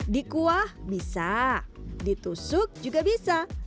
dikuah bisa ditusuk juga bisa